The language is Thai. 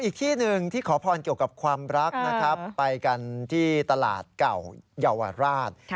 อีกที่หนึ่งที่ขอพรเกี่ยวกับความรักนะครับไปกันที่ตลาดเก่าเยาวราช